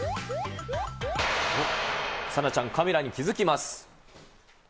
サナちゃん、カメラに気付きます。